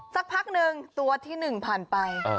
สักพักนึงตัวที่หนึ่งผ่านไป